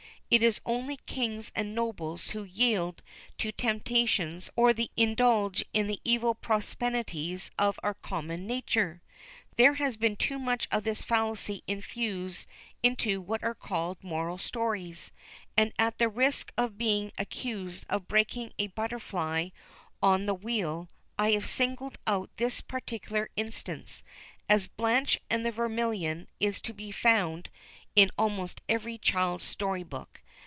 Is it only kings and nobles who yield to temptations or indulge in the evil propensities of our common nature? There has been too much of this fallacy infused into what are called moral stories, and at the risk of being accused of breaking a butterfly on the wheel, I have singled out this particular instance, as Blanche and Vermillion is to be found in almost every child's story book.